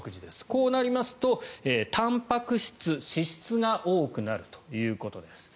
こうなりますとたんぱく質、脂質が多くなるということです。